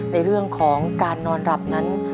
ในเรื่องของการนอนหลับนั้น